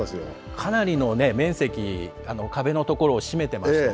かなりの面積、壁のところ占めてましたよね。